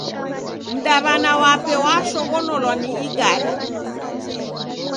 Mdaw'ana wape washoghonolwa ni igare.